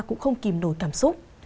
cũng không kìm nổi cảm xúc